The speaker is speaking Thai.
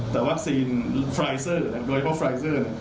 แต่วัคซีนฟรายเซอร์โดยเพราะฟรายเซอร์